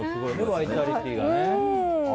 バイタリティーがね。